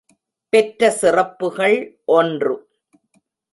பெற்ற சிறப்புகள் ஒன்று.